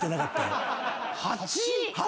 「８？」